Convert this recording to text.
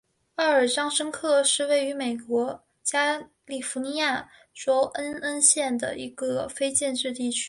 奥尔章克申是位于美国加利福尼亚州克恩县的一个非建制地区。